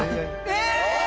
え！？